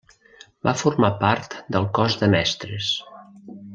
Va formar part del cos de Mestres.